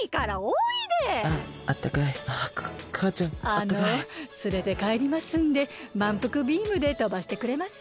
あのつれてかえりますんでまんぷくビームでとばしてくれます？